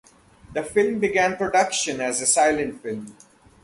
The film began production as a silent film.